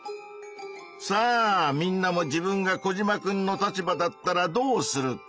さあみんなも自分がコジマくんの立場だったらどうするか？